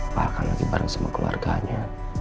pak al kan lagi bareng sama keluarganya